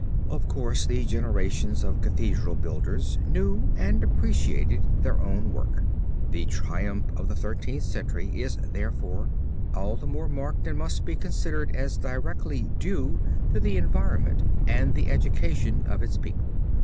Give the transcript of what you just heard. Of course the generations of Cathedral builders knew and appreciated their own work. The triumph of the Thirteenth Century is therefore all the more marked and must be considered as directly due to the environment and the education of its people.